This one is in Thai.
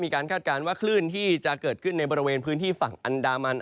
คาดการณ์ว่าคลื่นที่จะเกิดขึ้นในบริเวณพื้นที่ฝั่งอันดามัน